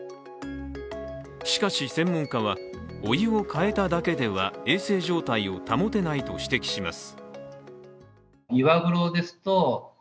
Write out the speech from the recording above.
しかし、専門家はお湯をかえただけでは衛生状態を保てないと指摘します。